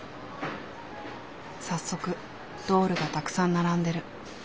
早速ドールがたくさん並んでる。